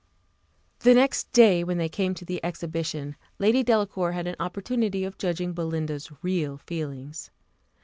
The next day, when they came to the exhibition, Lady Delacour had an opportunity of judging of Belinda's real feelings.